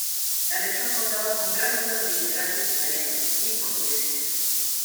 La región contaba con gran número de inmigrantes italianos y portugueses.